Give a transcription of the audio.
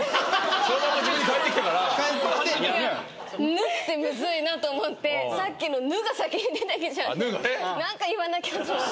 「ぬ」ってむずいなと思ってさっきの「ぬ」が先に出てきちゃって何か言わなきゃと思って。